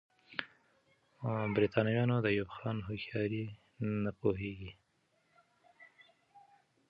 برتانويان د ایوب خان هوښیاري نه پوهېږي.